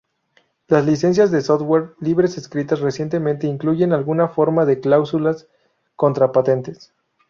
Las licencias de software libre escritas recientemente incluyen alguna forma de cláusulas contra patentes.